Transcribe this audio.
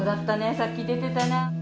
さっき出てたね。